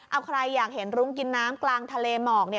เอาใครอยากเห็นรุ้งกินน้ำกลางทะเลหมอก